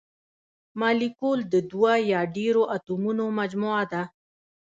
مالیکول د دوه یا ډیرو اتومونو مجموعه ده.